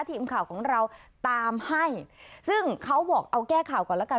ทีมข่าวของเราตามให้ซึ่งเขาบอกเอาแก้ข่าวก่อนแล้วกัน